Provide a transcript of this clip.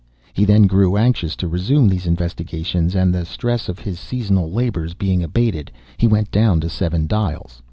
He then grew anxious to resume these investigations, and, the stress of his seasonal labours being abated, he went down to Seven Dials.